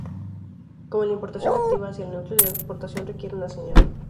Como en la importación activa hacia el núcleo, la exportación requiere una señal.